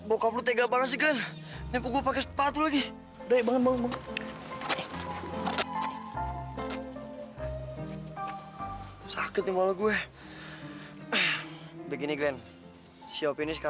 oke kalian berdua tunggu laura di sini ya